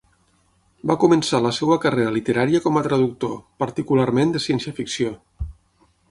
Va començar la seva carrera literària com a traductor, particularment de ciència-ficció.